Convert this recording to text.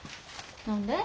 何で？